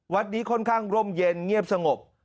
วัดนี้ค่อนข้างร่มเย็นเงียบสงบ